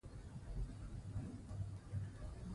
مېوې د افغانستان د اقلیمي نظام ښکارندوی ده.